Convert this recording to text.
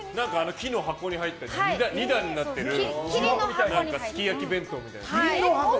木の箱に入った２段になってるすき焼き弁当みたいな。